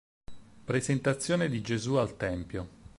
Presentazione di Gesù al Tempio